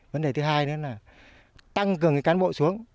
vấn đề thứ hai nữa là tăng cường cán bộ xuống